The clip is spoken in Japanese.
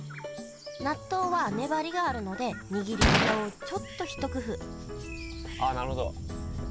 納豆は粘りがあるので握り方をちょっと一工夫ああなるほど。